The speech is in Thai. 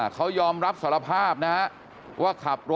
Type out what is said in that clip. เขายอมรับสารภาพนะครับ